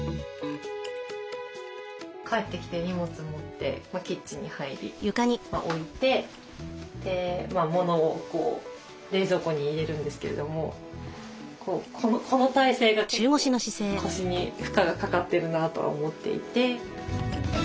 帰ってきて荷物持ってキッチンに入り置いて物を冷蔵庫に入れるんですけれどもこの体勢が結構腰に負荷がかかってるなとは思っていて。